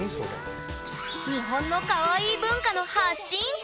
日本のカワイイ文化の発信地！